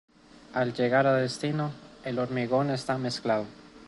Al llegar a destino el hormigón está mezclado.